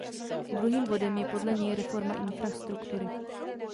Druhým bodem je podle něj reforma infrastruktury.